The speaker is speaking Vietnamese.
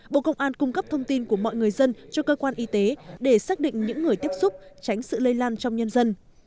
bộ công an cung cấp thông tin của mọi người dân cho cơ quan y tế để xác định những người tiếp xúc tránh sự lây lan trong nhân dân